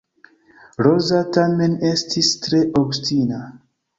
Roza tamen estis tre obstina.